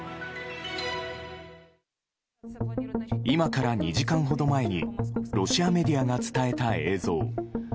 今から２時間ほど前にロシアメディアが伝えた映像。